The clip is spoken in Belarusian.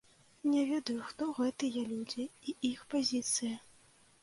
Не ведаю, хто гэтыя людзі і іх пазіцыі.